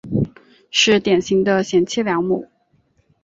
是典型的贤妻良母。